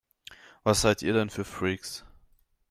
Was seid ihr denn für Freaks?